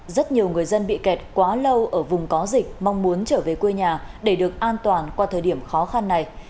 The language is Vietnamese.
rất nhiều người dân bị kẹt quá lâu ở vùng có dịch mong muốn trở về quê nhà để được an toàn qua thời điểm khó khăn này